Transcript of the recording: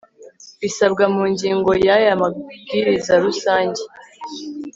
bisabwa mu ngingo ya y aya mabwiriza rusange